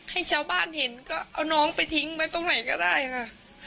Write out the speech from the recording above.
ให้ชาวบ้านเห็นก็เอาน้องไปทิ้งไว้ตรงไหนก็ได้ค่ะ